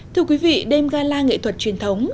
thưa quý vị đêm gala nghệ thuật truyền thống